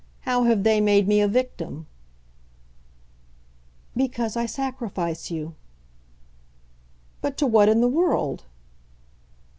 How have they made me a victim?" "Because I sacrifice you." "But to what in the world?"